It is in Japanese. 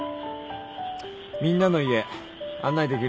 みんなの家案内できるよな？